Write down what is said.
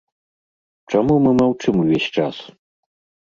Чаму мы маўчым ўвесь час?!